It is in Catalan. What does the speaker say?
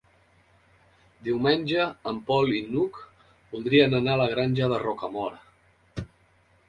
Diumenge en Pol i n'Hug voldrien anar a la Granja de Rocamora.